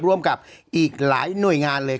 ร่วมกับอีกหลายหน่วยงานเลย